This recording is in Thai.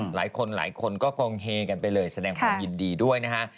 หลายคนหลายคนก็กองเฮกันไปเลยแสดงความยินดีด้วยนะฮะ